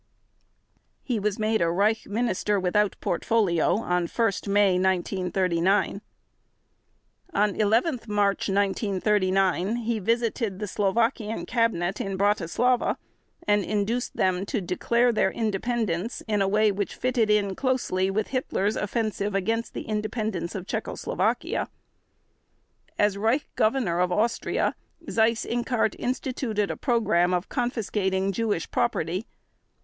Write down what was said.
He was made a Reich Minister without Portfolio on 1 May 1939. On 11 March 1939 he visited the Slovakian Cabinet in Bratislava and induced them to declare their independence in a way which fitted in closely with Hitler's offensive against the independence of Czechoslovakia. As Reich Governor of Austria, Seyss Inquart instituted a program of confiscating Jewish property.